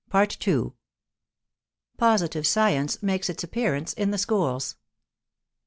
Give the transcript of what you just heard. =Positive science makes its appearance in the schools=.